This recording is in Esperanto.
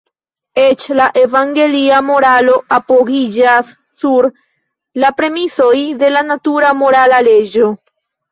Eĉ la evangelia moralo apogiĝas sur la premisoj de la natura morala leĝo.